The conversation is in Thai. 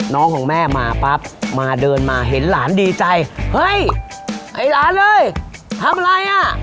ของแม่มาปั๊บมาเดินมาเห็นหลานดีใจเฮ้ยไอ้หลานเอ้ยทำอะไรอ่ะ